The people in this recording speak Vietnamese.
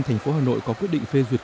thành phố hà nội có quyết định phê duyệt